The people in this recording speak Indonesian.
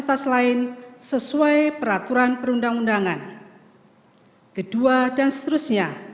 dengan sebaik baiknya dan seadil adilnya